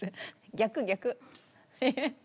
逆逆。